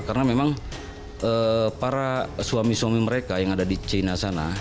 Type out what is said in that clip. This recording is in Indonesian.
karena memang para suami suami mereka yang ada di china sana